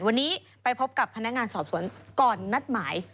วันนี้ไปพบกับพนักงานสอบสวนก่อนนัดหมาย